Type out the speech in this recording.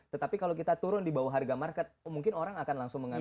tetapi kalau kita turun di bawah harga market mungkin orang akan langsung mengambil